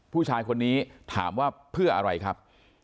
ผู้ชายคนนี้ถามว่าเพื่ออะไรครับ